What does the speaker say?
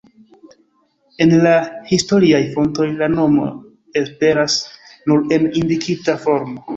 En la historiaj fontoj la nomo aperas nur en indikita formo.